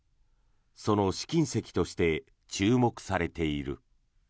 その試金石として注目されている。